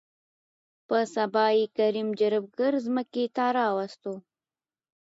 په سبا يې کريم جريب ګر ځمکې ته راوستو.